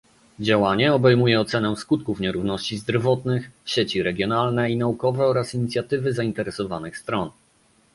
Działanie obejmuje ocenę skutków nierówności zdrowotnych, sieci regionalne i naukowe oraz inicjatywy zainteresowanych stron